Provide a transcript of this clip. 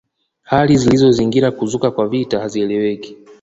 Hali zilizozingira kuzuka kwa vita hazieleweki